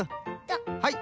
はい。